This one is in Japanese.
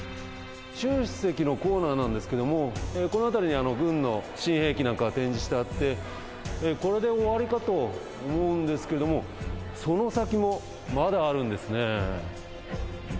習主席のコーナーなんですけれども、この辺りに軍の新兵器なんかが展示してあって、これで終わりかと思うんですけれども、その先もまだあるんですね。